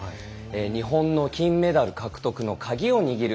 日本の金メダル獲得のカギを握る。